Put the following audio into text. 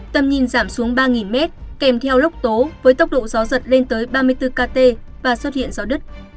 tầm nhìn giảm xuống ba mét kèm theo lốc tố với tốc độ gió giật lên tới ba mươi bốn kt và xuất hiện gió đất